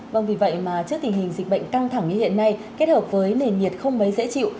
vâng vì vậy mà trước tình hình dịch bệnh căng thẳng như hiện nay kết hợp với nền nhiệt không mấy dễ chịu